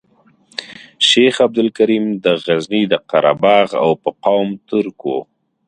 شیخ عبدالکریم د غزني د قره باغ او په قوم ترک وو.